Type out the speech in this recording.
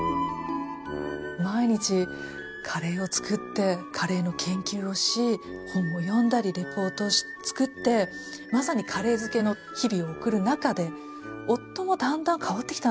毎日カレーを作ってカレーの研究をし本を読んだりレポートを作ってまさにカレー漬けの日々を送る中で夫もだんだん変わってきたんですよね